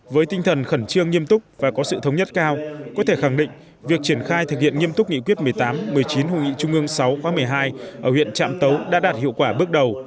với tinh thần khẩn trương nghiêm túc và có sự thống nhất cao có thể khẳng định việc triển khai thực hiện nghiêm túc nghị quyết một mươi tám một mươi chín hội nghị trung ương sáu khóa một mươi hai ở huyện trạm tấu đã đạt hiệu quả bước đầu